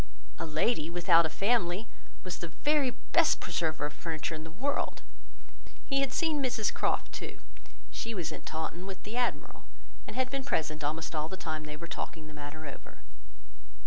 A lady, without a family, was the very best preserver of furniture in the world. He had seen Mrs Croft, too; she was at Taunton with the admiral, and had been present almost all the time they were talking the matter over.